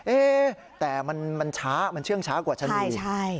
เอ๊ะแต่มันช้ามันเชื่องช้ากว่าชะนี